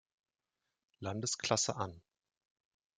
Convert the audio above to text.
Landesklasse an.